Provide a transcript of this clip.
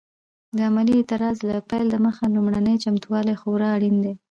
د عملي اعتراض له پیل دمخه لومړني چمتووالي خورا اړین دي.